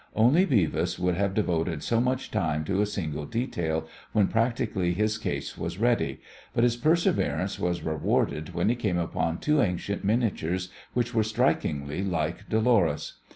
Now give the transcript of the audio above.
Only Beavis would have devoted so much time to a single detail when practically his case was ready, but his perseverance was rewarded when he came upon two ancient miniatures which were strikingly like Dolores.